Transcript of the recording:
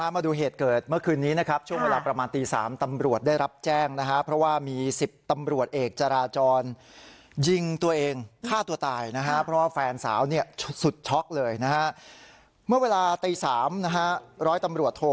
มาดูเหตุเกิดเมื่อคืนนี้นะครับช่วงเวลาประมาณตี๓ตำรวจได้รับแจ้งนะฮะเพราะว่ามี๑๐ตำรวจเอกจราจรยิงตัวเองฆ่าตัวตายนะฮะเพราะว่าแฟนสาวเนี่ยสุดช็อกเลยนะฮะเมื่อเวลาตี๓นะฮะร้อยตำรวจโท